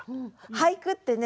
俳句ってね